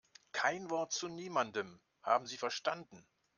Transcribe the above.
Kein Wort zu niemandem, haben Sie verstanden?